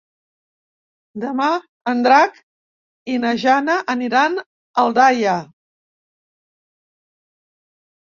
Demà en Drac i na Jana aniran a Aldaia.